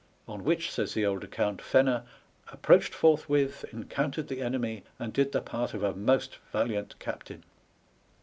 on which, says the old account, Fenner *' approached forth with, encountered the enemy, and did the part of a most valiant captain."